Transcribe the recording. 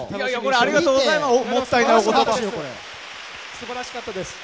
素晴らしかったです。